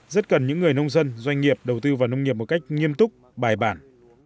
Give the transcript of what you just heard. rất cần những người nông dân doanh nghiệp đầu tư vào nông nghiệp một cách nghiêm túc bài bản